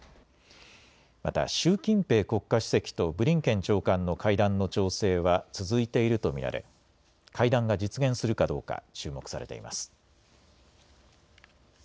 また習近平国家主席とブリンケン長官の会談の調整は続いていると見られ会談が実現するかどうか注目されています。